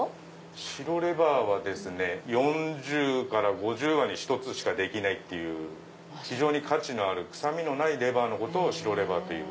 白レバーは４０から５０羽に１つしかできないっていう価値のある臭みのないレバーを白レバーという。